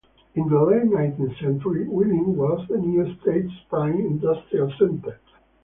In the late nineteenth century, Wheeling was the new state's prime industrial center.